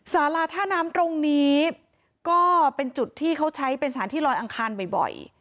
สาราท่าน้ำตรงนี้ก็เป็นจุดที่เขาใช้เป็นสถานที่ลอยอังคารบ่อย